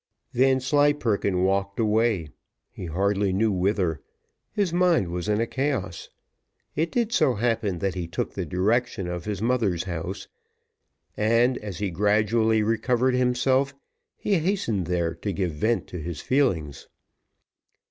Vanslyperken walked away, he hardly knew whither his mind was a chaos. It did so happen, that he took the direction of his mother's house, and, as he gradually recovered himself, he hastened there to give vent to his feelings.